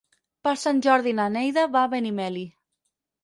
Per Sant Jordi na Neida va a Benimeli.